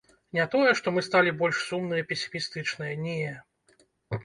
Не тое, што мы сталі больш сумныя песімістычныя, не.